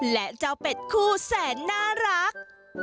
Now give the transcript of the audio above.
และเจ้าเป็ดคู่แสนน่ารัก